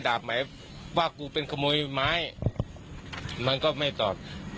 ถ้าให้ดาบไหมว่ากูเป็นขโมยไม้มันก็ไม่ตอบ